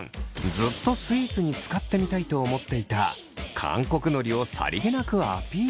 ずっとスイーツに使ってみたいと思っていた韓国のりをさりげなくアピール。